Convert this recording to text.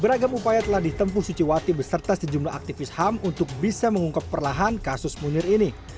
beragam upaya telah ditempuh suciwati beserta sejumlah aktivis ham untuk bisa mengungkap perlahan kasus munir ini